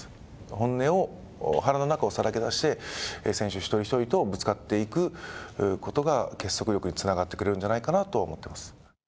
本音を、腹の中をさらけ出して、選手一人一人とぶつかっていくことが結束力につながってくれるんじゃないかなと思ってます。